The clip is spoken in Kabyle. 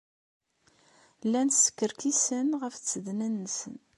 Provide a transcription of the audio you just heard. Llan skerkisen ɣef tsednan-nsen.